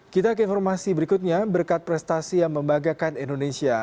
kita ke informasi berikutnya berkat prestasi yang membanggakan indonesia